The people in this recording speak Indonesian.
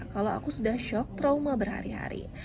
kalau aku sudah shock trauma berhari hari